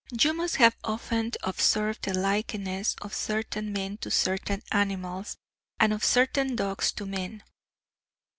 You must have often observed the likeness of certain men to certain animals, and of certain dogs to men.